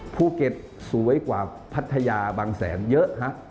ภูเก็ตสวยกว่าพัทยาบางแสนเยอะ